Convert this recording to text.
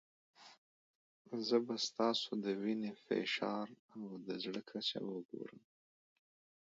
زه به ستاسو د وینې فشار او د زړه کچه وګورم.